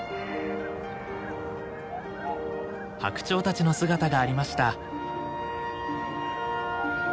ハクチョウたちの姿がありました。